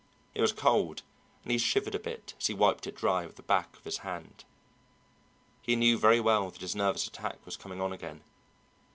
It was cold, and he shivered a bit as he wiped it dry with the back of his hand. He knew very well that his nervous attack was coming on again.